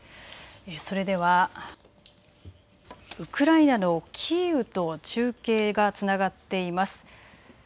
それではウクライナのキーウと中継がつながっています。